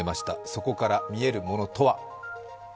そこから見えるものとは。